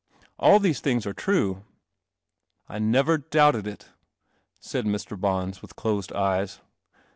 All these things are true." " I never doubted it," said Mr. Bons, with closed eyes.